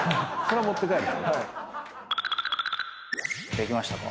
できましたか。